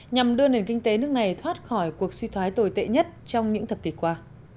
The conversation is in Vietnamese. nhằm đưa nền kinh tế nước này thoát khỏi cuộc suy thoái tồi tệ nhất trong những thập kỷ qua